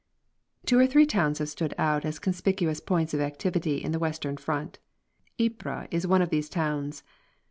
Two or three towns have stood out as conspicuous points of activity in the western field. Ypres is one of these towns.